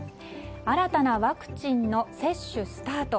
新たなワクチンの接種スタート